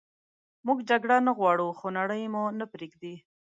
موږ جګړه نه غواړو خو نړئ مو نه پریږدي